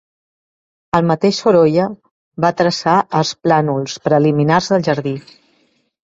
El mateix Sorolla va traçar els plànols preliminars del jardí.